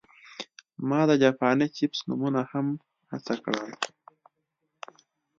ما د جاپاني چپس نومونه هم هڅه کړل